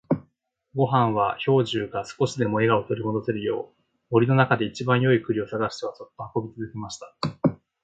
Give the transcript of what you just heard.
ごんは兵十が少しでも笑顔を取り戻せるよう、森の中で一番よい栗を探してはそっと運び続けました。